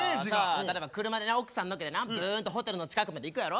例えば車でな奥さん乗っけてなブーンとホテルの近くまで行くやろ。